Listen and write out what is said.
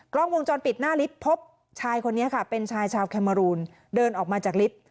กล้องวงจรปิดหน้าลิฟต์พบชายคนนี้ค่ะเป็นชายชาวแคเมอรูนเดินออกมาจากลิฟต์